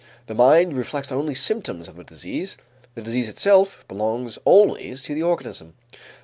The mind reflects only symptoms of the disease; the disease itself belongs always to the organism.